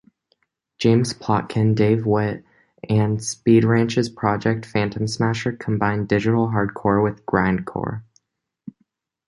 James Plotkin, Dave Witte and Speedranch's project Phantomsmasher combined digital hardcore with grindcore.